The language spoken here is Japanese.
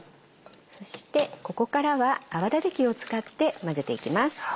そしてここからは泡立て器を使って混ぜていきます。